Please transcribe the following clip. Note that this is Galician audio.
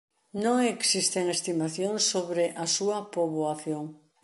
Non existen estimacións sobre a súa poboación.